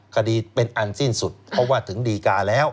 คดีเป็นอันสิ้นสุดเพราะว่าถึงดีการแล้ว